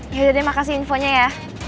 yaudah deh makasih infonya ya